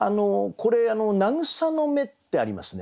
これ「名草の芽」ってありますね。